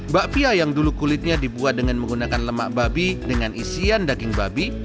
bakpia yang dulu kulitnya dibuat dengan menggunakan lemak babi dengan isian daging babi